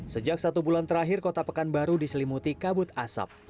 sejak satu bulan terakhir kota pekanbaru diselimuti kabut asap